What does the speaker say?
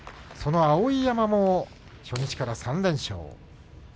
その碧山も初日から３連勝。